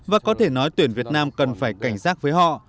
và có thể nói tuyển việt nam cần phải cảnh giác với họ